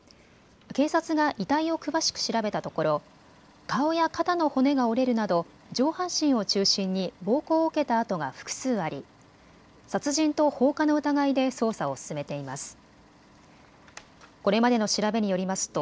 警察が遺体を詳しく調べたところ顔や肩の骨が折れるなど上半身を中心に暴行を受けた痕が複数あり殺人と放火の疑いで捜査を進めています。